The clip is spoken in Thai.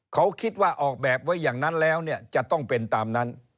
เขาคิดว่าออกแบบไว้อย่างนั้นแล้วเนี่ยจะต้องเป็นตามนั้น